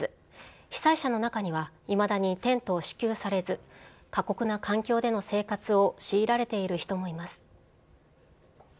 被災者の中には、いまだにテントを支給されず、過酷な環境での生活を強いられている人もいます。